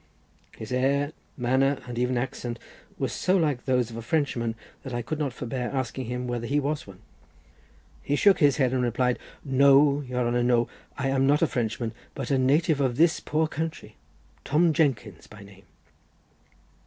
His air, manner, and even accent, were so like those of a Frenchman, that I could not forbear asking him whether he was one. He shook his head and replied, "No, your honour, no, I am not a Frenchman, but a native of this poor country, Tom Jenkins by name."